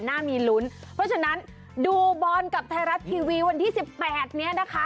น่ามีลุ้นเพราะฉะนั้นดูบอลกับไทยรัฐทีวีวันที่๑๘นี้นะคะ